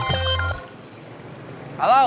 terima kasih komandan